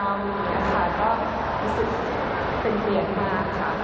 อย่างนี้ค่ะก็รู้สึกเป็นเบียนมากค่ะ